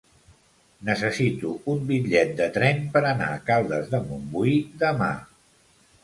Necessito un bitllet de tren per anar a Caldes de Montbui demà.